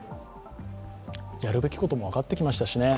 やるべきことも分かってきましたしね。